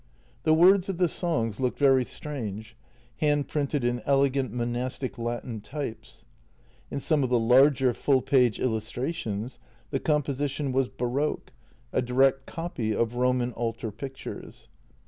The words of the songs looked very strange, hand printed in elegant monastic Latin types. In some of the larger full page illustrations the composition was baroque, a direct copy of Roman altar pictures.